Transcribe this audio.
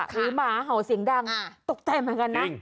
หมาเห่าเสียงดังตกใจเหมือนกันนะ